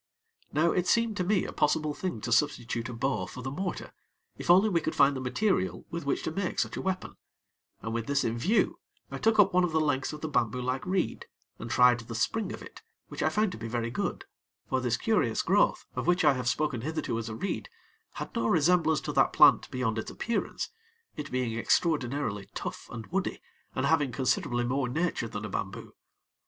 Now it seemed to me a possible thing to substitute a bow for the mortar, if only we could find the material with which to make such a weapon, and with this in view, I took up one of the lengths of the bamboo like reed, and tried the spring of it, which I found to be very good; for this curious growth, of which I have spoken hitherto as a reed, had no resemblance to that plant, beyond its appearance; it being extraordinarily tough and woody, and having considerably more nature than a bamboo.